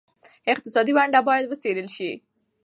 اقتصادي ونډه باید وڅېړل شي.